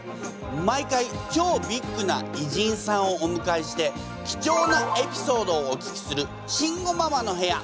毎回超ビッグな偉人さんをおむかえして貴重なエピソードをお聞きする慎吾ママの部屋。